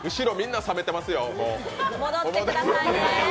戻ってくださいね。